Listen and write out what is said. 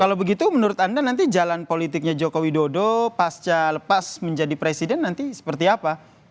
kalau begitu menurut anda nanti jalan politiknya joko widodo pasca lepas menjadi presiden nanti seperti apa